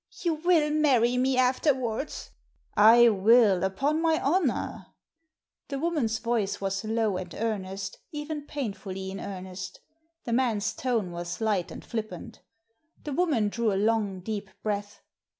" You will marry me afterwards ?"" I will, upon my honour." The woman's voice was low and earnest^ even Digitized by VjOOQIC THE DUKE 317 painfully in earnest. The man's tone was light and flippant. The woman drew a long deep breath.